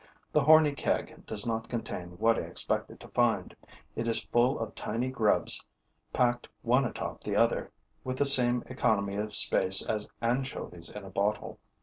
The horny keg does not contain what I expected to find: it is full of tiny grubs packed one atop the other with the same economy of space as anchovies in a bottle.